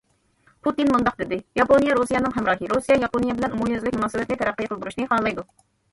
پۇتىن مۇنداق دېدى: ياپونىيە رۇسىيەنىڭ ھەمراھى، رۇسىيە ياپونىيە بىلەن ئومۇميۈزلۈك مۇناسىۋەتنى تەرەققىي قىلدۇرۇشنى خالايدۇ.